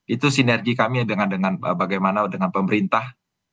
itu sinergi kami bagaimana dengan pemerintah